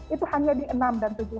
itu hanya di enam dan tujuh belas